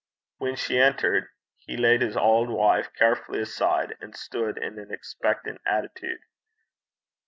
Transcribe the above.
When she entered, he laid his auld wife carefully aside, and stood in an expectant attitude.